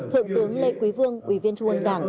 thượng tướng lê quý vương ủy viên trung ương đảng